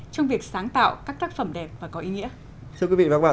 trong việc sáng tạo các tác phẩm đẹp và có ý nghĩa